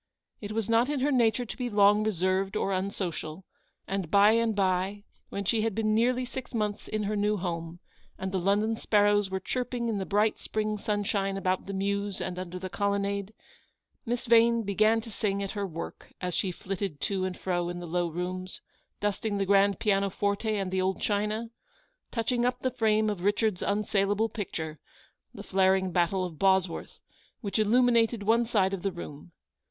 It was not in her nature to be long reserved or unsocial; and by and by, when she had been nearly six months in her new home, and the London sparrows were chirping in the bright spring sunshine about the mews and under the colonnade, Miss Yane began to sing at her work as she flitted to and fro in the low rooms, dusting the grand pianoforte and the old china — touching up the frame of Richard's un saleable picture, the flaring Battle of Bosworth, which illuminated one side of the room.